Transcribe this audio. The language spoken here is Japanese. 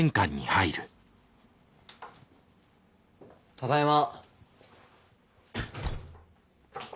ただいま。